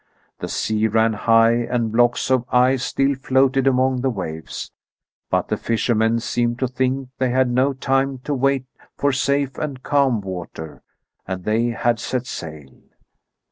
The sea ran high and blocks of ice still floated among the waves, but the fishermen seemed to think they had no time to wait for safe and calm water, and they had set sail.